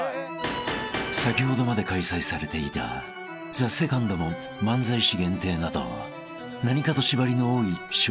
［先ほどまで開催されていたＴＨＥＳＥＣＯＮＤも漫才師限定など何かと縛りの多い賞レース］